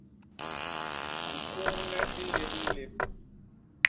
A ñkuune i lép ni lép.